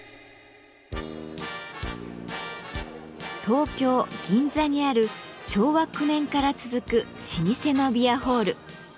東京・銀座にある昭和９年から続く老舗のビアホール。